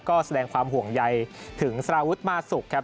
ก็แสดงความห่วงใยถึงสารวุฒิมาสุกครับ